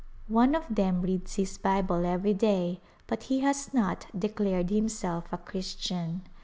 One of them reads his Bible every day but he has not declared himself a Christian.